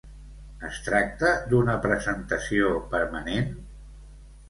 Es tracta d'una presentació permanent?